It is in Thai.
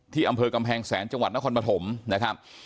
อำเภอกำแพงแสนจังหวัดนครปฐมนะครับ